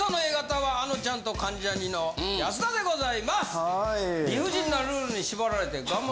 はい？